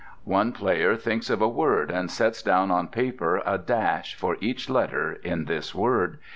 One player thinks of a word, and sets down on paper a dash for each letter in this word.